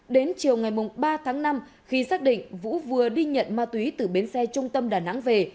đến chiều ngày ba tháng năm khi xác định vũ vừa đi nhận ma túy từ bến xe trung tâm đà nẵng về